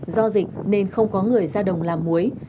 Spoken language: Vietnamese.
do dịch nên không có người ra đồng làm muối